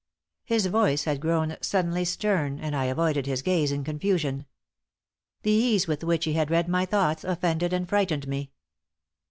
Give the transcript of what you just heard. His voice had grown suddenly stern, and I avoided his gaze in confusion. The ease with which he had read my thoughts offended and frightened me.